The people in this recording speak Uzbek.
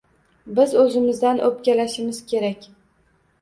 Biz o`zimizdan o`pkalashimiz kerak